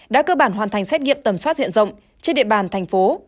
đã cơ bản hoàn thành xét nghiệm tầm soát diện rộng trên địa bàn thành phố